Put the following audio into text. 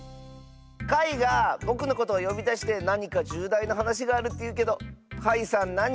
かいがぼくのことをよびだしてなにかじゅうだいなはなしがあるっていうけどかいさんなに？